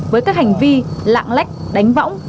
với các hành vi lạng lách đánh võng